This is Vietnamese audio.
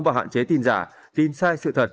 và hạn chế tin giả tin sai sự thật